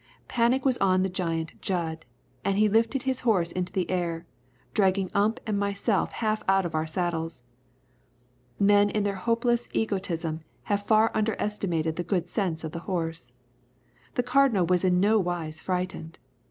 Panic was on the giant Jud, and he lifted the horse into the air, dragging Ump and myself half out of our saddles. Men in their hopeless egotism have far underestimated the good sense of the horse. The Cardinal was in no wise frightened.